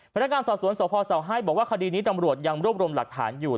พนักงานสอบสวนสพเสาให้บอกว่าคดีนี้ตำรวจยังรวบรวมหลักฐานอยู่